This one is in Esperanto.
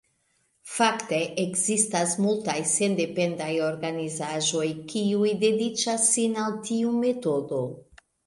Fakte, ekzistas multaj sendependaj organizaĵoj, kiuj dediĉas sin al tiu metodo.